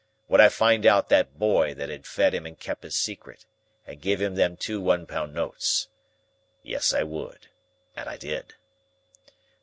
Would I find out that boy that had fed him and kep his secret, and give him them two one pound notes? Yes, I would. And I did."